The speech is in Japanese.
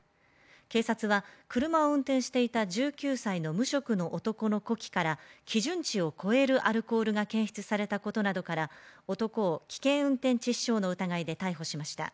警察は車を運転していた１９歳の無職の男の呼気から基準値を超えるアルコールが検出されたことなどから、男を危険運転致傷の疑いで逮捕しました。